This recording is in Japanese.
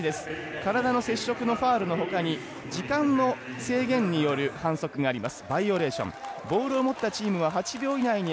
体の接触のファウルのほかに時間の制限による反則があります。